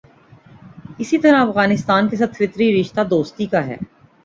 اسی طرح افغانستان کے ساتھ فطری رشتہ دوستی کا ہے۔